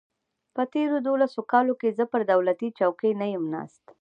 په تېرو دولسو کالو کې زه پر دولتي چوکۍ نه یم ناست.